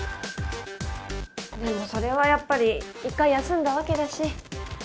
でもそれはやっぱり一回休んだわけだし。